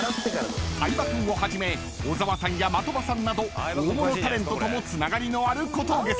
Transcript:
［相葉君をはじめ小沢さんや的場さんなど大物タレントともつながりのある小峠さん］